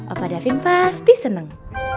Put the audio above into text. opa davin pasti seneng